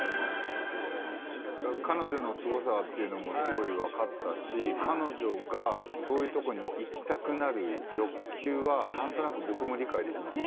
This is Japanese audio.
彼女のすごさっていうのもすごいわかったし彼女がそういうとこに行きたくなる欲求はなんとなく僕も理解できます。